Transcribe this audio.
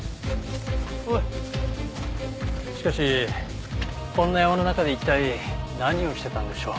しかしこんな山の中で一体何をしてたんでしょう？